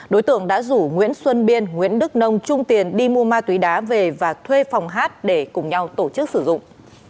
đối tượng đã rủ nguyễn xuân biên nguyễn đức nông trung tiền đi mua ma túy đá về và thuê phòng hát để cùng nhau tổ chức sử dụng